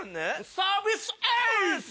サービスエース！